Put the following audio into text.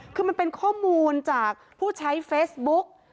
คือมันเป็นข้อมูลจากผู้ใช้เฟซบุ๊ก